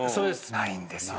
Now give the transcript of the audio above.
ないんですよ。